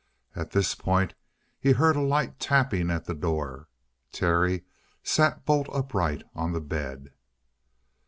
At this point he heard a light tapping at the door. Terry sat bolt upright on the bed.